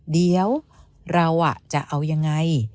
เดี๋ยวเราจะเอายังไง